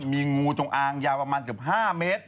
มีงูจงอางยาวประมาณ๕เมตร